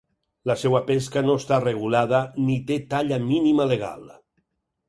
La seua pesca no està regulada ni té talla mínima legal.